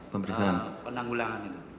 pemberian penanggulangan itu